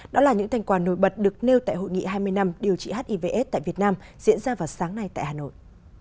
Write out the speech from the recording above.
đó là những thành quả nổi bật được nêu tại hội nghị hai mươi năm điều trị hiv aids tại việt nam diễn ra vào sáng nay tại hà nội